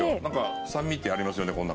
なんか酸味ってありますよね